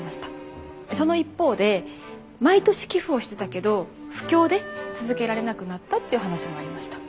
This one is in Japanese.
その一方で毎年寄付をしてたけど不況で続けられなくなったっていうお話もありました。